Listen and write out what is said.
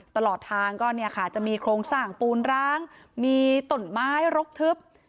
ตลอดทางก็เนี่ยค่ะจะมีโครงสร้างปูนร้างมีต้นไม้รกทึบ